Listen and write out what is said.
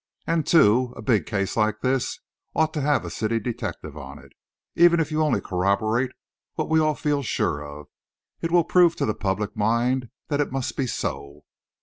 And, too, a big case like this ought to have a city detective on it. Even if you only corroborate what we all feel sure of, it will prove to the public mind that it must be so."